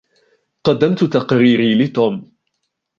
قدّمتُ تقريري لتوم.